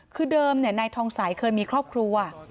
คือเดิมนายทองสัยเคยมีครอบครัว